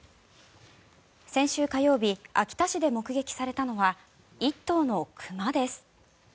先週火曜日秋田市で目撃されたのは１頭の熊です。